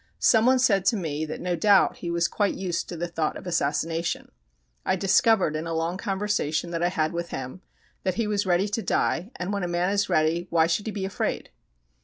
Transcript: Someone said to me that no doubt he was quite used to the thought of assassination. I discovered, in a long conversation that I had with him, that he was ready to die, and when a man is ready why should he be afraid?